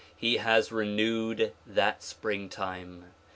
He has renewed that springtime.